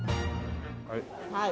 はい。